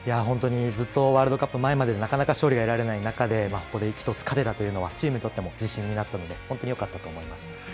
ずっとワールドカップ前までなかなか勝利が得られない中でここで１つ、勝ったというのはチームにとっても自信になったので本当によかったと思います。